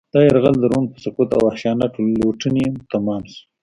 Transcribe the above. دا یرغل د روم په سقوط او وحشیانه لوټنې تمام شو